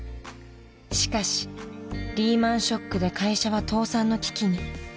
［しかしリーマンショックで会社は倒産の危機に］